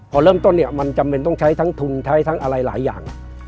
พอเริ่มต้นเนี่ยมันจำเป็นต้องใช้ทั้งทุนใช้ทั้งอะไรหลายอย่าง